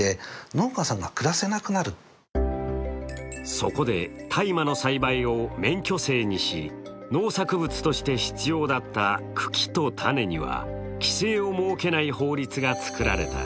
そこで大麻の栽培を免許制にし農作物として必要だった茎と種には、規制を設けない法律が作られた。